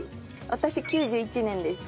私９１年です。